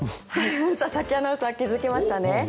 佐々木アナウンサー気付きましたね。